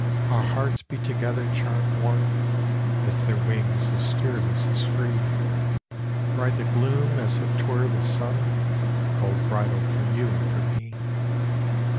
Our hearts beat together, charmed one, Lift their wings as fearless as free, Ride the gloom as if 'twere the sun Gold bridled for you and for me.